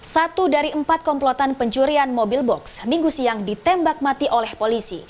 satu dari empat komplotan pencurian mobil box minggu siang ditembak mati oleh polisi